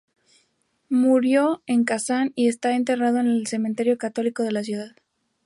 Murió en Kazan y está enterrado en el cementerio católico de la ciudad.